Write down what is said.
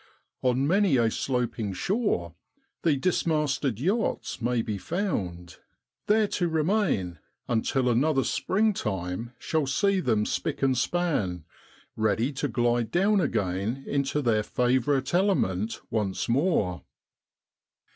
On many a sloping shore the dismasted yachts may be found, there to remain until another springtime shall see them spick and span, ready to glide down again into their favourite element once more.